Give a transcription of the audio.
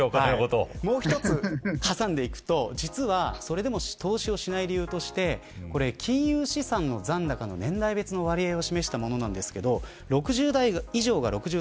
もう一つ挟んでいくと、実はそれでも投資をしない理由として金融資産の残高の年代別の割合を示したものなんですけど６０代以上が６３％。